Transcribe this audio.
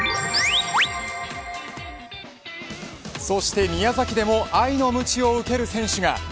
そして宮崎でも愛のむちを受ける選手が。